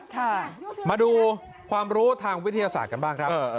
ค่ะมาดูความรู้ทางวิทยาศาสตร์กันบ้างครับ